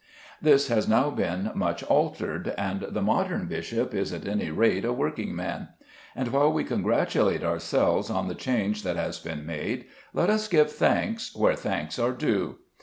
This has now been much altered, and the modern bishop is at any rate a working man. And while we congratulate ourselves on the change that has been made, let us give thanks where thanks are due.